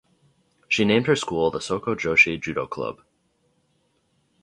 She named her school the Soko Joshi Judo Club.